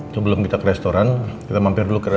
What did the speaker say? sebelum kita ke restoran kita mampir dulu ke notaris ya